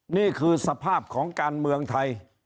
นี่คือสภาพของการเมืองไทย